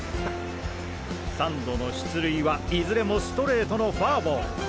三度の出塁はいずれもストレートのフォアボール。